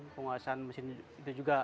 penguasaan mesin itu juga